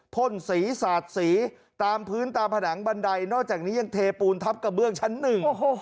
พ่นสีสาดสีตามพื้นตามผนังบันไดนอกจากนี้ยังเทปูนทับกระเบื้องชั้นหนึ่ง